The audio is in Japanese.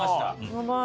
やばい。